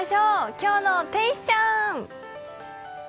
「今日の天使ちゃん」。